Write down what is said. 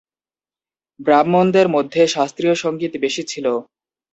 ব্রাহ্মণদের মধ্যে শাস্ত্রীয় সংগীত বেশি ছিল।